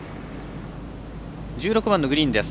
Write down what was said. １６番のグリーンです。